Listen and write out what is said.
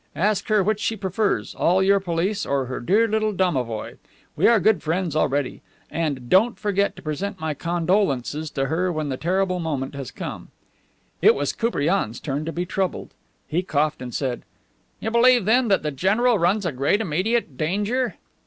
Ask her which she prefers, all your police, or her dear little domovoi. We are good friends already. And don't forget to present my condolences to her when the terrible moment has come." It was Koupriane's turn to be troubled. He coughed and said: "You believe, then, that the general runs a great immediate danger?"